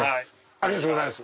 ありがとうございます。